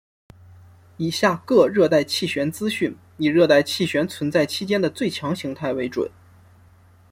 以下各热带气旋资讯以热带气旋存在期间的最强形态为准。